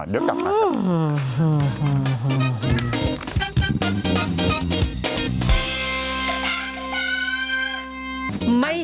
เดี๋ยวก่อนมา